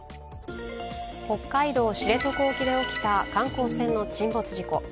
北海道・知床沖で起きた観光船の沈没事故。